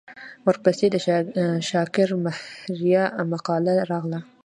ورپسې د شاکر مهریار مقاله راغله.